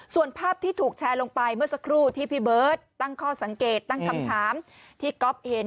ส่วนภาพที่ถูกแชร์ลงไปเมื่อสักครู่ที่พี่เบิร์ตตั้งข้อสังเกตตั้งคำถามที่ก๊อฟเห็น